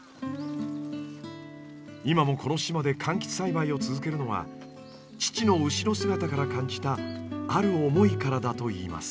今もこの島でかんきつ栽培を続けるのは父の後ろ姿から感じたある思いからだといいます。